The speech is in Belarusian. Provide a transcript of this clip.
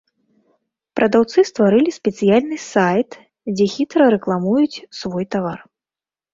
Прадаўцы стварылі спецыяльны сайт, дзе хітра рэкламуюць свой тавар.